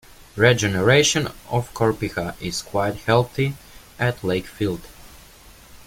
Regeneration of Corpyha is quite healthy at Lakefield.